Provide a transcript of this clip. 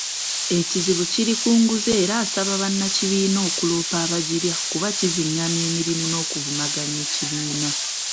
Ekizibu kiri ku nguzi era asaba bannakibiina okuloopa abagirya kuba kizing'amya emirimu n'okuvumaganya ekibiina.